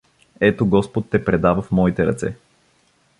Ето господ те предава в моите ръце.